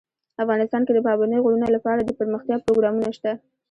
افغانستان کې د پابندی غرونه لپاره دپرمختیا پروګرامونه شته.